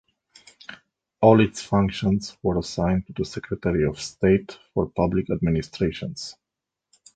All its functions were assigned to the Secretary of State for Public Administrations.